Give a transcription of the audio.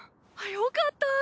よかったぁ。